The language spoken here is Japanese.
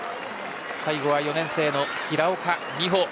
最後は４年生の平岡美帆。